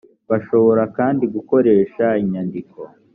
bashobora kandi gukoresha inyandiko